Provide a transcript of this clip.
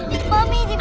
mami di panggung